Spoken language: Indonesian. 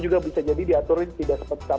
juga bisa jadi diaturin tidak seperti